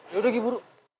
yaudah lagi buruk